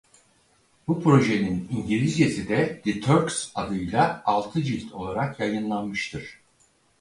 Bu projenin İngilizcesi de "The Turks" adıyla altı cilt olarak yayınlanmıştır.